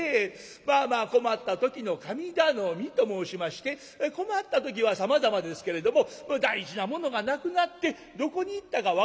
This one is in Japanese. まあまあ困った時の神頼みと申しまして困った時はさまざまですけれども大事なものがなくなってどこに行ったか分からん。